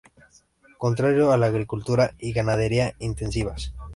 contrario a la agricultura y ganadería intensivas.